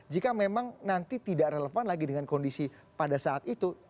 jika memang nanti tidak relevan lagi dengan kondisi pada saat itu